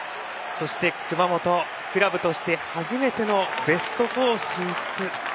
そして、熊本はクラブとして初めてのベスト４進出。